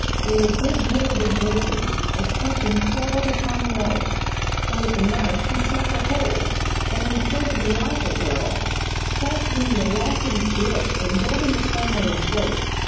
With a good deal of exertion, the captain crawled upon the ice, and with the knife he chopped a hole, and inserted the rifle barrel, fastening the lashings to it and holding it firmly in place.